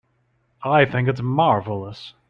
I think it's marvelous.